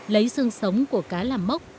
lấy xương sống của cá làm mốc